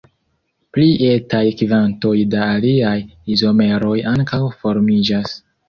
Pli etaj kvantoj da aliaj izomeroj ankaŭ formiĝas.